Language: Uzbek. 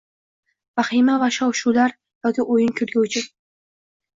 Vahima va shov-shuvlar yoki oʻyin-kulgi uchun